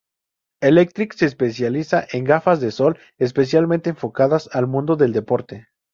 Electric se especializa en gafas de sol, especialmente enfocadas al mundo del deporte.